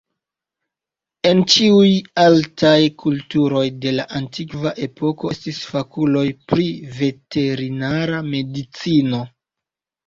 En ĉiuj altaj kulturoj de la antikva epoko estis fakuloj pri veterinara medicino.